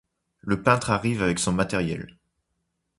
le peintre arrive avec son matériel